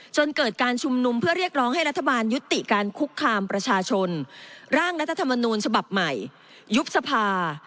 จนเกิดการชุมนุมเพื่อเรียกร้องให้รัฐบาลยุติการคุกคามประชาชนร่างรัฐธรรมนูญฉบับใหม่ยุบสภา